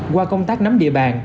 qua công tác nắm địa bàn